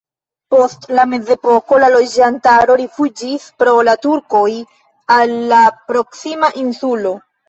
Post la mezepoko la loĝantaro rifuĝis pro la turkoj al la proksima insulo.